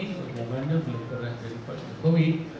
permohonannya belum pernah jadi pak jokowi